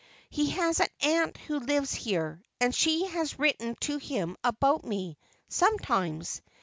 He has an aunt who lives here, and she has written to him about me, sometimes.